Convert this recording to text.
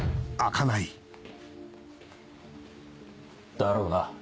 だろうな。